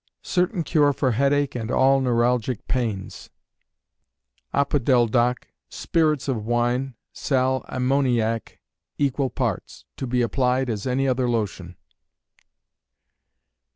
Certain Cure for Headache and all Neuralgic Pains. Opodeldoc, spirits of wine, sal ammoniac, equal parts. To be applied as any other lotion.